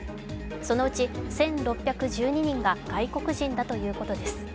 そのうち１６１２人が外国人だということです。